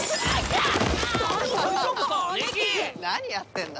何やってんだ？